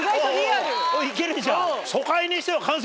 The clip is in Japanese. いけるじゃん。